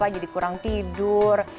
jadi kurang tidur